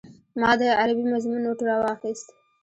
ما د عربي مضمون نوټ راواخيست.